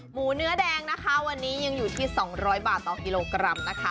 หมูเนื้อแดงนะคะวันนี้ยังอยู่ที่๒๐๐บาทต่อกิโลกรัมนะคะ